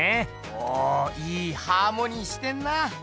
おおいいハーモニーしてんな！